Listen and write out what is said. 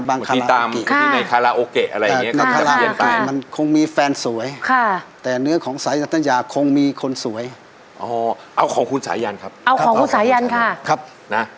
บางคันตามอะไรอย่างงี้คุณคนสวยเอาของคุณสายันครับเอาของสายันค่ะ